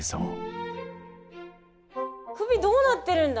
首どうなってるんだ？